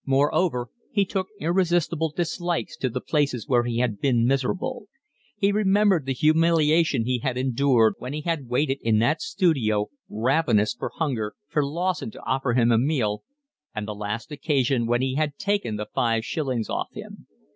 Moreover, he took irresistible dislikes to the places where he had been miserable: he remembered the humiliation he had endured when he had waited in that studio, ravenous with hunger, for Lawson to offer him a meal, and the last occasion when he had taken the five shillings off him.